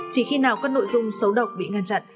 chỉ khi nào các nội dung xấu độc bị ngăn chặn